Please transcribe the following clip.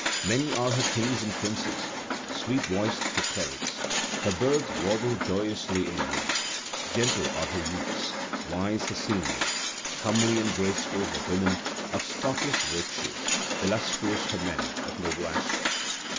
Many are her kings and princes; sweet voiced her clerics; her birds warble joyously in the woods: gentle are her youths; wise her seniors; comely and graceful her women, of spotless virtue; illustrious her men, of noble aspect.